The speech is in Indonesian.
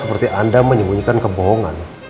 seperti anda menyembunyikan kebohongan